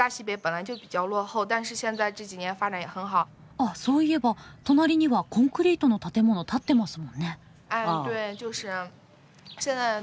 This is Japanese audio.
あっそういえば隣にはコンクリートの建物建ってますもんね。